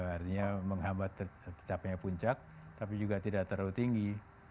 artinya menghambat tercapainya puncak tapi juga tidak terlalu tinggi